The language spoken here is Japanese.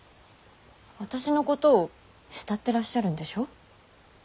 私のことを慕ってらっしゃるんでしょ。